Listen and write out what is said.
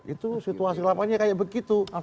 itu situasi lapangannya kayak begitu